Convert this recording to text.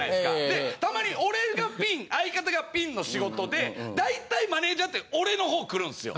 でたまに俺がピン相方がピンの仕事で大体マネジャーって俺の方来るんすよ。